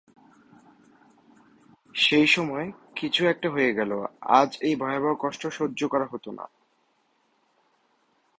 সেই সময় কিছু-একটা হয়ে গেলে, আজ এই ভয়াবহ কষ্ট সহ্য করতে হত না।